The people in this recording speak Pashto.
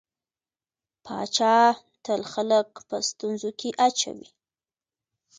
پاچا تل خلک په ستونزو کې اچوي.